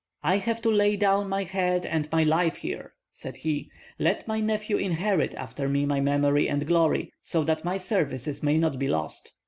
"I have to lay down my head and my life here," said he; "let my nephew inherit after me my memory and glory, so that my services may not be lost."